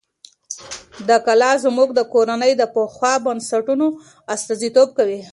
دا کلا زموږ د کورنۍ د پخو بنسټونو استازیتوب کوي.